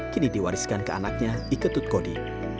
kini diwariskan ke anaknya diketut kodi